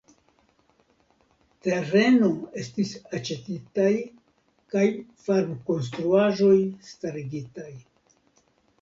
Tereno estis aĉetitaj kaj farmkonstruaĵoj starigitaj.